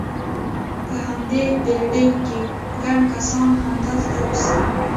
په همدې بلډینګ کې، ګڼ کسان همدلته اوسي.